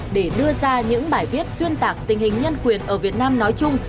để đưa ra những bài viết xuyên tạc tình hình nhân quyền ở việt nam nói chung